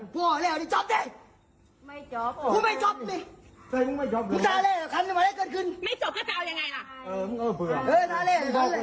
ท๊อปด้วย